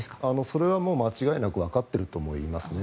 それはもう間違いなくわかっていると思いますね。